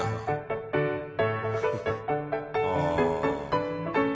ああ。